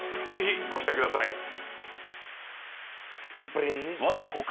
ぜひご期待ください。